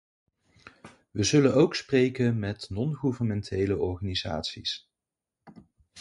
We zullen ook spreken met non-gouvernementele organisaties.